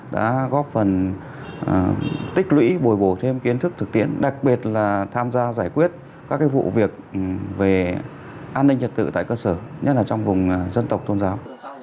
đã góp phần tích lũy bồi bổ thêm kiến thức thực tiễn đặc biệt là tham gia giải quyết các vụ việc về an ninh trật tự tại cơ sở nhất là trong vùng dân tộc tôn giáo